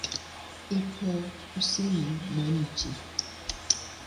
Iko Kusini mwa nchi.